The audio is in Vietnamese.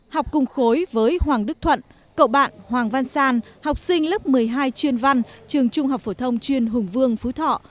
học cùng khối với hoàng đức thuận cậu bạn hoàng văn san học sinh lớp một mươi hai chuyên văn trường trung học phổ thông chuyên hùng vương phú thọ